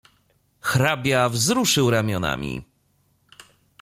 "Hrabia wzruszył ramionami."